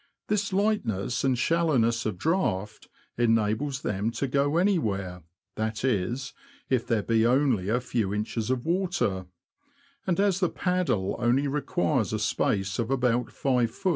This lightness and shallowness of draught enables them to go anywhere — that is, if there be only a few inches of water ; and as the paddle only requires a space of about 5ft.